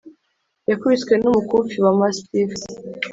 yakubiswe n'umukufi wa mastiff,